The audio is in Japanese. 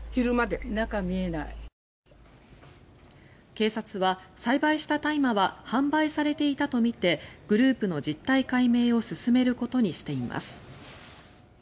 警察は、栽培した大麻は販売されていたとみてグループの実態解明を進めることにしています。